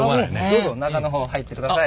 どうぞ中の方入ってください。